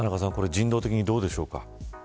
人道的にどうでしょうか。